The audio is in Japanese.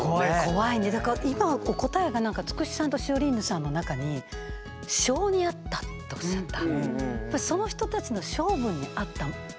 だから今答えがなんかつくしさんとシオリーヌさんの中に「性に合った」っておっしゃった。